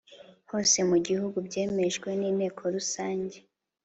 hose mu gihugu byemejwe n Inteko Rusange